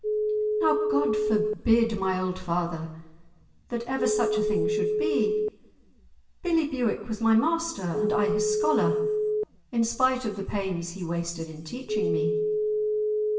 "Now God forbid, my old father, that ever such a thing should be! Billie Bewick was my master, and I his scholar, in spite of the pains he wasted in teaching me."